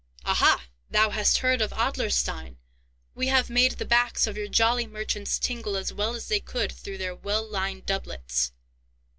"Aha! thou hast heard of Adlerstein! We have made the backs of your jolly merchants tingle as well as they could through their well lined doublets!